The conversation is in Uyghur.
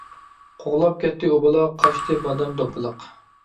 قوغلاپ كەتتى ئۇ بالا، قاچتى بادام دوپپىلىق.